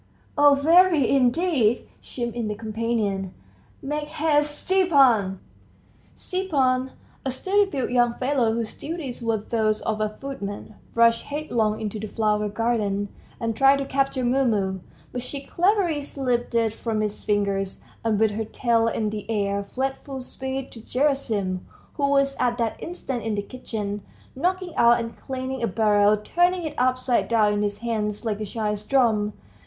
"Oh, very, indeed!" chimed in the companion. "Make haste, Stepan!" Stepan, a sturdy built young fellow, whose duties were those of a footman, rushed headlong into the flower garden, and tried to capture Mumu, but she cleverly slipped from his fingers, and with her tail in the air, fled full speed to Gerasim, who was at that instant in the kitchen, knocking out and cleaning a barrel, turning it upside down in his hands like a child's drum.